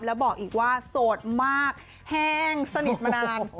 แล้วบอกอีกว่าโสดมากแห้งสนิทมานาน